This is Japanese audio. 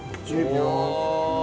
１０秒。